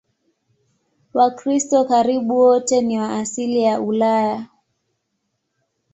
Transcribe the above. Wakristo karibu wote ni wa asili ya Ulaya.